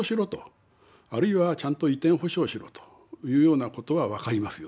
あるいはちゃんと移転補償しろというようなことは分かりますよ